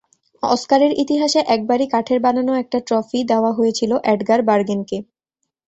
অস্কারের ইতিহাসে একবারই কাঠের বানানো একটি ট্রফি দেওয়া হয়েছিল এডগার বার্গেনকে।